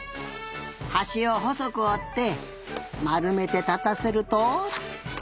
はしをほそくおってまるめてたたせると。